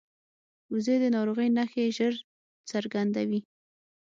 وزې د ناروغۍ نښې ژر څرګندوي